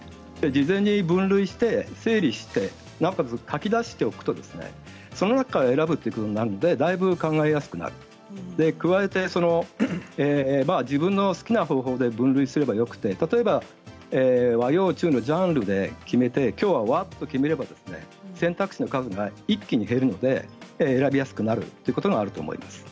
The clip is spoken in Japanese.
事前に分類して、整理してなおかつ書き出しておくとその中から選ぶということになるのでだいぶ考えやすくなる、加えて自分の好きな方法で分類すればよくて、例えば和洋中のジャンルで決めてきょうは和と決めれば選択肢の数が一気に減るので選びやすくなるということがあると思います。